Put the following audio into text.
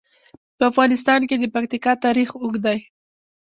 په افغانستان کې د پکتیکا تاریخ اوږد دی.